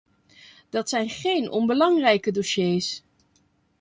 Dat zijn geen onbelangrijke dossiers.